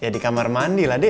ya di kamar mandi lah dek